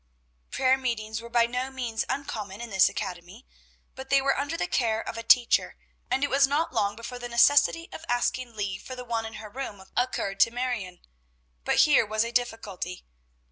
Prayer meetings were by no means uncommon in this academy; but they were under the care of a teacher, and it was not long before the necessity of asking leave for the one in her room occurred to Marion; but here was a difficulty!